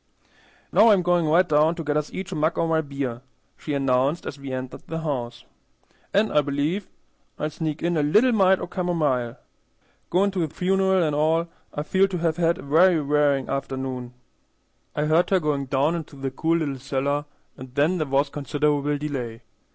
"Now I'm goin' right down to get us each a mug o' my beer," she announced as we entered the house, "an' I believe I'll sneak in a little mite o' camomile. Goin' to the funeral an' all, I feel to have had a very wearin' afternoon." I heard her going down into the cool little cellar, and then there was considerable delay.